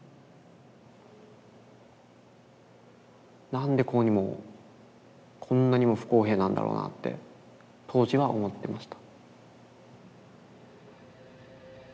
何でこうにもこんなにも不公平なんだろうなって当時は思ってました。